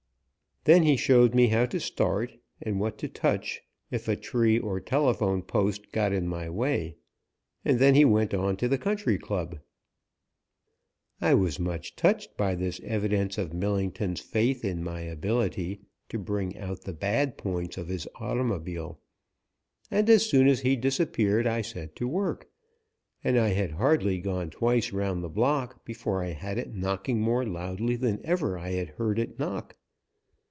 Then he showed me how to start, and what to touch if a tree or telephone post got in my way, and then he went on to the Country Club. I was much touched by this evidence of Millington's faith in my ability to bring out the bad points of his automobile, and as soon as he disappeared I set to work, and I had hardly gone twice around the block before I had it knocking more loudly than ever I had heard it knock.